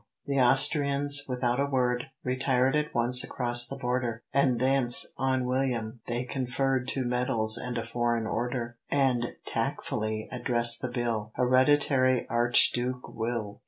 The Austrians, without a word, Retired at once across the border, And thence on William they conferred Two medals and a foreign order, (And tactfully addressed the bill "Hereditary Arch Duke Will.")